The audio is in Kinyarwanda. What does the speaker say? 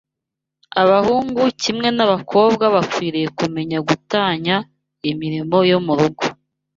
abahungu kimwe n’abakobwa bakwiriye kumenya gutunganya imirimo yo mu rugo